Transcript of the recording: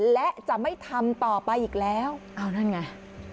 และจะไม่ทำต่อไปอีกแล้วเอานั่นไง